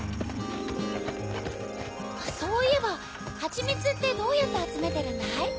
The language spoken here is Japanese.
そういえばハチミツってどうやってあつめてるんだい？